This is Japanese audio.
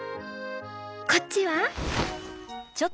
こっちは？」。